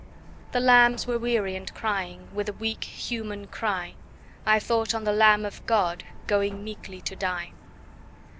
The lambs were weary, and crying With a weak human cry, 10 I thought on the Lamb of God Going meekly to die.